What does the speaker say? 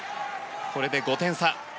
これで５点差。